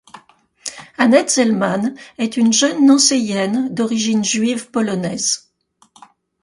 Annette Zelman est une jeune nancéienne d'origine juive polonaise.